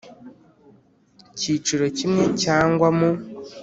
cyiciro kimwe cyangwa mu